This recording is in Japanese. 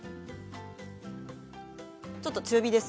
ちょっと強火です。